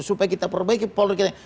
supaya kita perbaiki polri kita